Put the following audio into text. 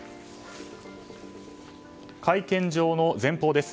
会見場の前方です。